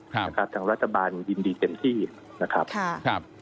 ทางรัฐบาลยินดีเต็มที่นะครับ